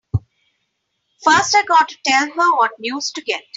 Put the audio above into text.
First I gotta tell her what news to get!